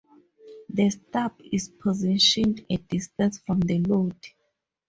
The stub is positioned a distance from the load.